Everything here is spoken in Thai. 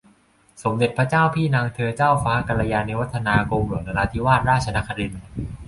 สมเด็จพระเจ้าพี่นางเธอ เจ้าฟ้ากัลยาณิวัฒนา กรมหลวงนราธิวาสราชนครินทร์